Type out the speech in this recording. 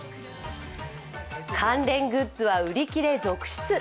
関連グッズは売り切れ続出。